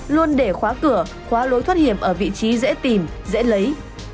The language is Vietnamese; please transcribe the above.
luôn để khóa cửa khóa lối thoát hiểm ở vị trí dễ tìm dễ lấy